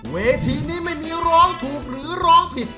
เวทีนี้ไม่มีร้องถูกหรือร้องผิด